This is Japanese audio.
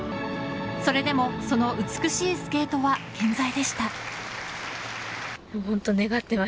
それでも、その美しいスケートは健在でした。